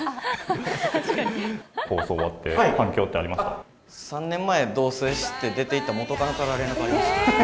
放送終わって、反響ってあり３年前、同せいして出ていった元カノから連絡ありましたね。